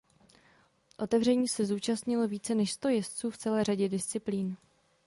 Otevření se zúčastnilo více než sto jezdců v celé řadě disciplín.